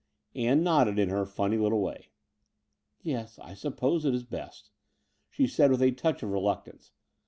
Ann nodded in her fimny little way. Yes, I suppose it is best, '' she said, with a touch of reluctance.